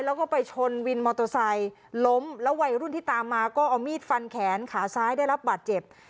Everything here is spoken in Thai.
แล้วก็ไปชนวินมอเตอร์ไซค์ล้มแล้ววัยรุ่นที่ตามมาก็เอามีดฟันแขนขาซ้ายได้รับบาดเจ็บ